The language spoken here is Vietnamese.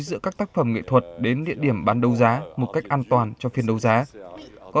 giữa các tác phẩm nghệ thuật đến địa điểm bán đấu giá một cách an toàn cho phiên đấu giá có